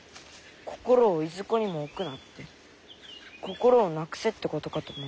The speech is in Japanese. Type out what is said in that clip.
「心をいずこにも置くな」って心をなくせってことかと思ったけど違う。